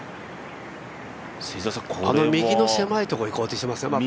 この右の狭いところいこうとしていますね。